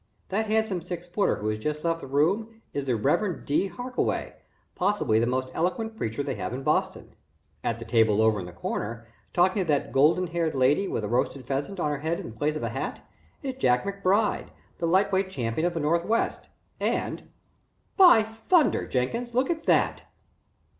That handsome six footer, who has just left the room, is the Reverend Dr. Harkaway, possibly the most eloquent preacher they have in Boston. At the table over in the corner, talking to that gold haired lady with a roasted pheasant on her head in place of a hat, is Jack McBride, the light weight champion of the Northwest, and by thunder, Jenkins, look at that!"